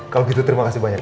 kalau gitu terima kasih banyak